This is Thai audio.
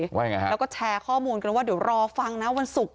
ว่ายังไงฮะแล้วก็แชร์ข้อมูลกันว่าเดี๋ยวรอฟังนะวันศุกร์